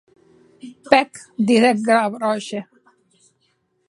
Pèc, didec Gavroche.